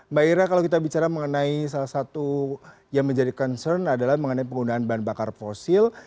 mbak ira kalau kita bicara mengenai salah satu yang menjadi concern adalah mengenai penggunaan bahan bakar fosil